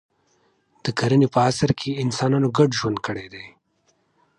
د کرنې په عصر کې انسانانو ګډ ژوند کړی دی.